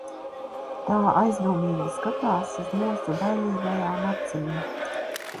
Tā aizdomīgi skatās uz mūsu bailīgajām acīm.